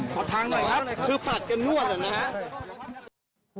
ขอทางหน่อยครับคือปัดกันนวดนะครับ